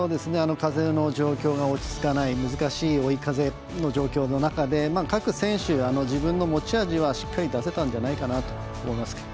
風の状況が落ち着かない難しい追い風の状況の中で各選手、自分の持ち味はしっかり出せたんじゃないかなと思います。